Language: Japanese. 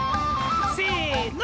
せの。